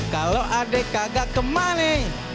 kalo adek kagak kemana